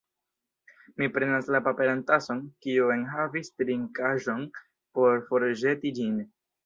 Mi prenas la paperan tason, kiu enhavis trinkaĵon, por forĵeti ĝin.